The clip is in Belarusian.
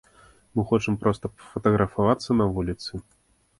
Мы хочам проста пафатаграфавацца на вуліцы.